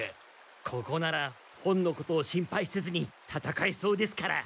ここなら本のことを心配せずに戦えそうですから。